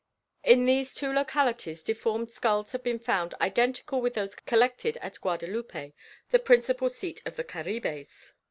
In these two localities deformed skulls have been found identical with those collected at Guadalupe, the principal seat of the Caribes.